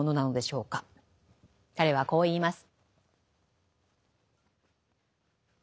彼はこう言います。